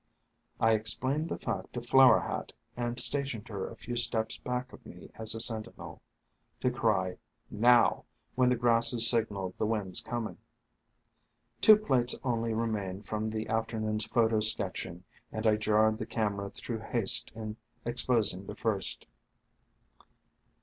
I explained the fact to Flower Hat, and sta tioned her a few steps back of me as a sentinel, to cry "Now!" when the Grasses signaled the wind's coming. Two plates only remained from the afternoon's photo sketching, and I jarred the camera through haste in exposing the first.